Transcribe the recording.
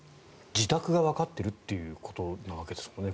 自宅がわかっているっていうことなわけですもんね